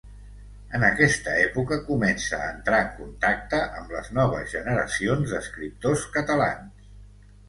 En aquesta època comença a entrar en contacte amb les noves generacions d'escriptors catalans.